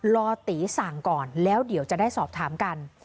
อตีสั่งก่อนแล้วเดี๋ยวจะได้สอบถามกัน